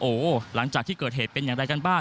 โอ้โหหลังจากที่เกิดเหตุเป็นอย่างไรกันบ้าง